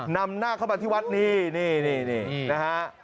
นำหน้าเข้ามาที่วัดนี้นี่นะฮะ